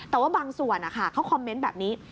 แต่ว่าบางส่วนเขาคอมเมนต์แบบนี้